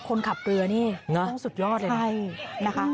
คนขับเรือนี่ต้องสุดยอดเลยนะ